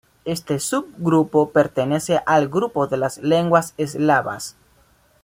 Este subgrupo pertenece al grupo de las lenguas eslavas.